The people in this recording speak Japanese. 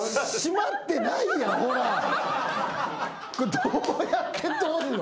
どうやって取んの？